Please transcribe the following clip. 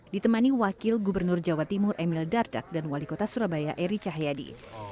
ditemani wakil gubernur jawa timur emil dardak dan wali kota surabaya eri cahyadi